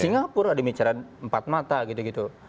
singapura ada bicara empat mata gitu gitu